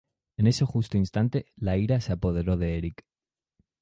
En ese justo instante, la ira se apoderó de Eric.